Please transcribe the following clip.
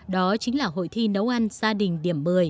đó chính là hội thi nấu ăn gia đình điểm một mươi